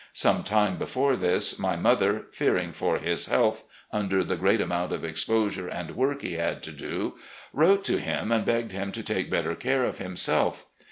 Some time before this, my mother, fearing for his health under the great amount of exposure and work he had to do, wrote to him and begged him to take better care of him self.